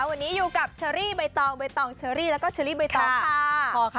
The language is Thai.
วันนี้อยู่กับเชอรี่ใบตองใบตองเชอรี่แล้วก็เชอรี่ใบตองค่ะ